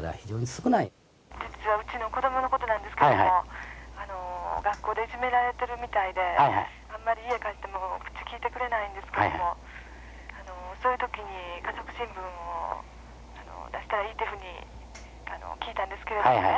☎うちの子どものことなんですけども学校でいじめられてるみたいであんまり家帰っても口利いてくれないんですけどもそういう時に「家族新聞」を出したらいいっていうふうに聞いたんですけれどもね